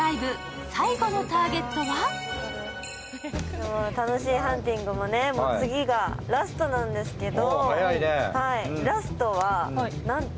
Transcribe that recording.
今日の楽しいハンティングも次がラストなんですけど。